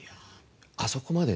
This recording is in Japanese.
あそこまでね